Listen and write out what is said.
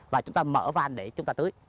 và chúng ta mở van để chúng ta tưới